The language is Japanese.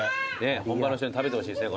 本場の人に食べてほしいですね